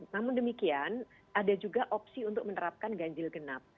namun demikian ada juga opsi untuk menerapkan ganjil genap